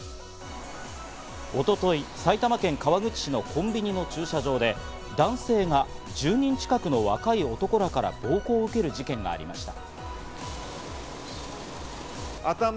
一昨日、埼玉県川口市のコンビニの駐車場で、男性が１０人近くの若い男らから暴行を受ける事件がありました。